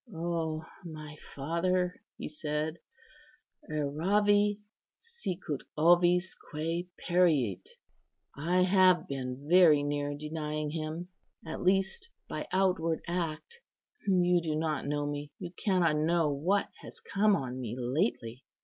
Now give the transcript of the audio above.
"O my father," he said, " 'Erravi, sicut ovis quæ periit.' I have been very near denying Him, at least by outward act. You do not know me; you cannot know what has come on me lately.